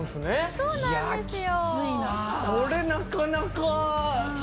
そうなんですよ。